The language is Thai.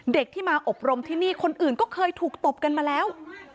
เด็กที่มาอบรมที่นี่คนอื่นก็เคยถูกตบกันมาแล้ว